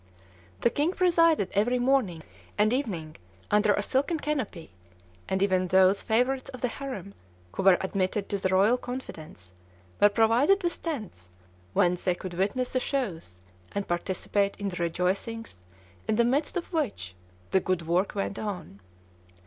The king presided every morning and evening under a silken canopy; and even those favorites of the harem who were admitted to the royal confidence were provided with tents, whence they could witness the shows, and participate in the rejoicings in the midst of which the good work went on.